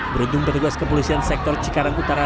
beruntung petugas kepolisian sektor cikarang utara